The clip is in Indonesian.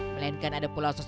melainkan ada pulau sosoknya